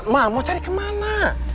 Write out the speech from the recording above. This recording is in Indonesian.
ma mau cari kemana